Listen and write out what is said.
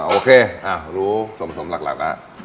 อ๋อโอเครู้สมหลักละ